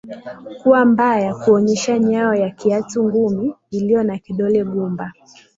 kuwa mbaya kuonyesha nyayo ya kiatu ngumi iliyo na kidole gumba